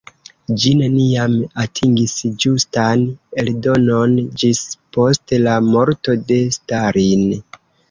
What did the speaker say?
Ĝi neniam atingis ĝustan eldonon ĝis post la morto de Stalin.